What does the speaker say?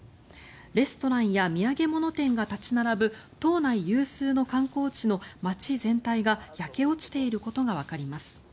レストランや土産物店が立ち並ぶ島内有数の観光地の街全体が焼け落ちていることがわかります。